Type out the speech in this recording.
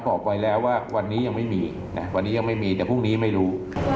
บอกไว้แล้วว่าวันนี้ยังไม่มีแต่พรุ่งนี้ไม่รู้